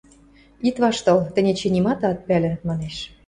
– Ит ваштыл, тӹнь эче нимат ат пӓлӹ, – манеш.